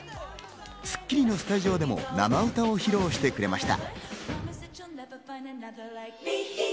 『スッキリ』のスタジオでも生歌を披露してくれました。